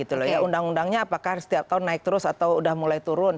undang undangnya apakah setiap tahun naik terus atau sudah mulai turun